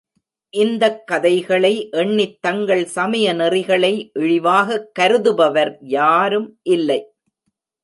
இந்தக் கதைகளை எண்ணித் தங்கள் சமய நெறிகளை இழிவாகக் கருதுபவர் யாரும் இல்லை.